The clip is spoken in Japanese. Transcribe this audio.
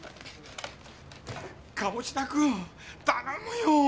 鴨志田君頼むよ！